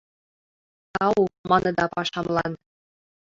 — Тау! — маныда пашамлан;